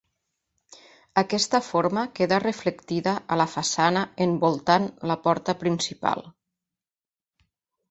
Aquesta forma queda reflectida a la façana envoltant la porta principal.